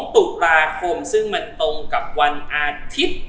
ตุลาคมซึ่งมันตรงกับวันอาทิตย์